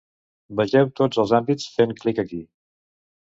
Vegeu tots els àmbit, fent clic aquí.